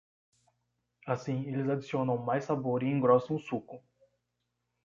Assim, eles adicionam mais sabor e engrossam o suco.